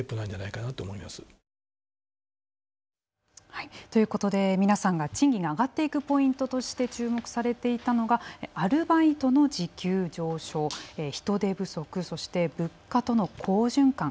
はいということで皆さんが賃金が上がっていくポイントとして注目されていたのがアルバイトの時給上昇人手不足そして物価との好循環。